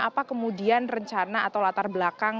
apa kemudian rencana atau latar belakang